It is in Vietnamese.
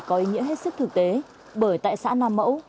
có ý nghĩa hết sức thực tế bởi tại xã nam mẫu